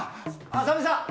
浅見さん。